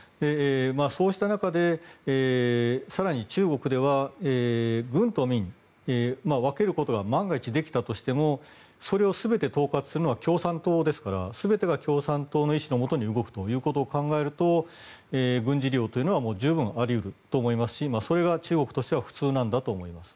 そうした中で更に中国では軍と民分けることが万が一できたとしてもそれを全て統括するのは共産党ですから全てが共産党の意思のもとに動くということを考えると軍事利用というのは十分あり得ると思いますしそれが中国としては普通なんだと思います。